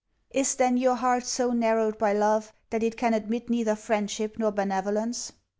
'Is then your heart so narrowed by love, that it can admit neither friendship nor benevolence?'